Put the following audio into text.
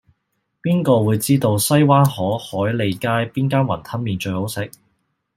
邊個會知道西灣河海利街邊間雲吞麵最好食